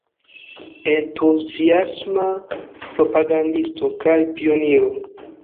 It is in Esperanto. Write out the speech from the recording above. Entuziasma propagandisto kaj pioniro.